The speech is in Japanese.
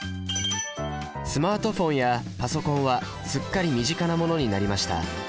スマートフォンやパソコンはすっかり身近なものになりました。